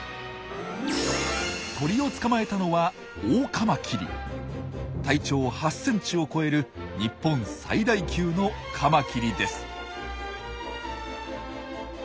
鳥を捕まえたのは体長８センチを超える日本最大級のカマキリです。